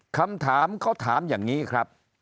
คำถามเขาถามอย่างนี้ครับ